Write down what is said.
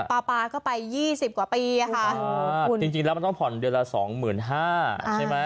ปาปาก็ไป๒๐กว่าปีค่ะจริงแล้วต้องผ่อนเดือนละ๒๕๐๐๐ใช่ไหม